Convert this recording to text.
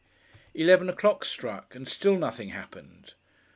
Eleven o'clock struck and still nothing happened.